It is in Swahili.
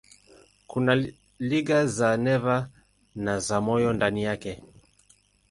Kuna liga za neva na za moyo ndani yake.